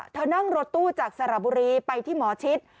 เธอนั่งรถตู้จากสระบุรีไปที่หมอชิด